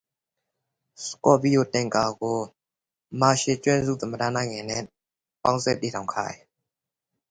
Scorpio Tankers was incorporated in the Republic of the Marshall Islands.